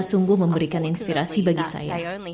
sungguh memberikan inspirasi bagi saya